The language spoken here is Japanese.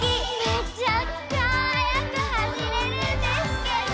めちゃくちゃはやく走れるんですけど。